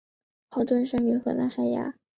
豪敦生于荷兰海牙。